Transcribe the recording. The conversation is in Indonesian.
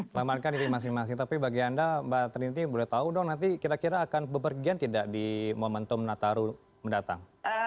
selamatkan diri masing masing tapi bagi anda mbak trinti boleh tahu dong nanti kira kira akan bepergian tidak di momentum nataru mendatang